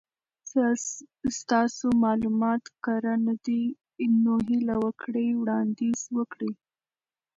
ستاسو مالومات کره ندي نو هیله وکړئ وړاندیز وکړئ